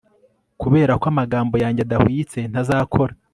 kuberako amagambo yanjye adahwitse ntazakora